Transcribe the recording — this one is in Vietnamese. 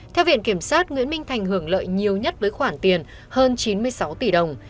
theo viện kiểm sát nguyễn minh thành hưởng lợi nhiều nhất với khoản tiền hơn chín mươi sáu tỷ đồng